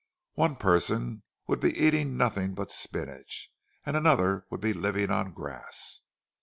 One person would be eating nothing but spinach, and another would be living on grass.